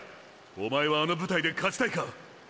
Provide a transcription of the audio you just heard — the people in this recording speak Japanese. おまえはあの舞台で勝ちたいか？